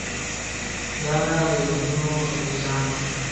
دا د ګوندونو التزام ده.